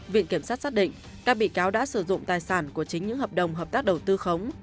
viện kiểm sát xác định các bị cáo đã sử dụng tài sản của chính những hợp đồng hợp tác đầu tư khống